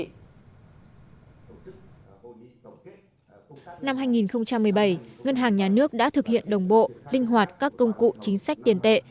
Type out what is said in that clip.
năm hai nghìn một mươi bảy ngân hàng nhà nước đã thực hiện đồng bộ linh hoạt các công cụ chính sách tiền tệ